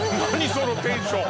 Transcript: そのテンション。